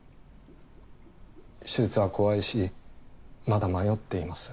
手術は怖いしまだ迷っています。